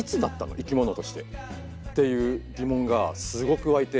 生き物としてっていう疑問がすごく湧いて。